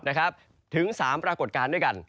นะครับถึง๓ปรากฏการณ์ด้วยกัน